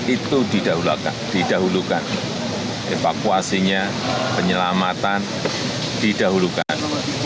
itu didahulukan evakuasinya penyelamatan didahulukan